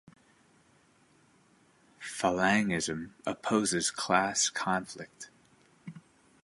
Falangism opposes class conflict.